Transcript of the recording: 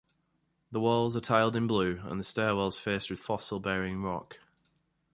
The walls are tiled in blue and the stairwells faced with fossil-bearing rock.